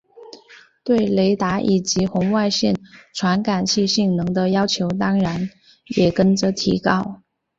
对雷达以及红外线传感器性能的要求当然也跟着提高。